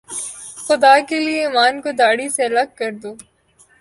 خدا کے لئے ایمان کو داڑھی سے الگ کر دو